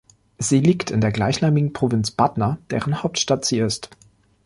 Sie liegt in der gleichnamigen Provinz Batna, deren Hauptstadt sie ist.